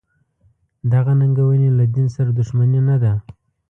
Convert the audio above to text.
دغه ننګونې له دین سره دښمني نه ده.